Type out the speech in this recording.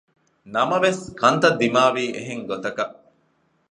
ނަމަވެސް ކަންތައް ދިމާވީ އެހެންގޮތަކަށް